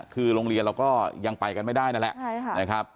คือโรงเรียนเราก็ยังไปกันไม่ได้นั่นแหละนะครับ